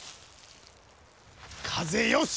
風よし！